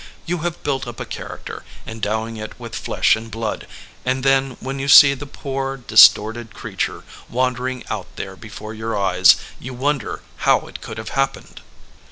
You have built up a character, endowing it with flesh and blood, and then when you see the poor distorted creature wandering out there before your eyes, you wonder how it could have happened."